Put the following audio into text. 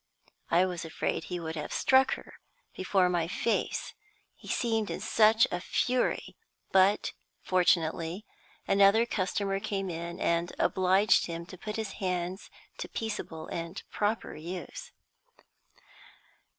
I was afraid he would have struck her before my face, he seemed in such a fury; but, fortunately, another customer came in, and obliged him to put his hands to peaceable and proper use.